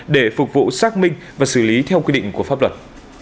để phục vụ xác minh và xử lý theo quy định của pháp luật